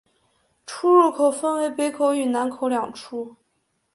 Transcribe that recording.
出入口分为北口与南口两处。